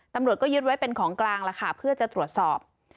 ตำรวจก็ยึดไว้เป็นของกลางแล้วค่ะเพื่อจะตรวจสอบ